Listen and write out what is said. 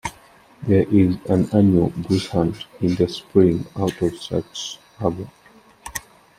There is an annual goose hunt in the spring out of Sachs Harbour.